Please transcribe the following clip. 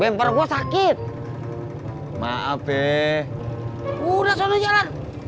maaf maaf gak sengaja